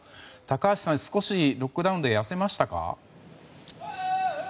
高橋さん、少しロックダウンで痩せましたか？